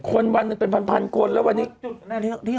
วันหนึ่งเป็นพันคนแล้ววันนี้